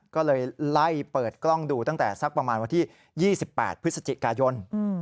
ก็เลยไล่เปิดกล้องดูตั้งแต่สักประมาณวันที่๒๘พฤศจิกายน